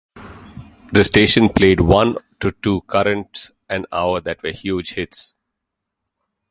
The station played one to two currents an hour that were huge hits.